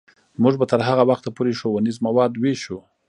موږ به تر هغه وخته پورې ښوونیز مواد ویشو.